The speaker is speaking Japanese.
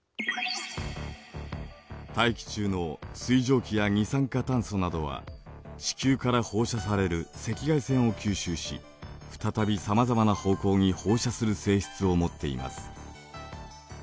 大気中の水蒸気や二酸化炭素などは地球から放射される赤外線を吸収し再びさまざまな方向に放射する性質を持っています。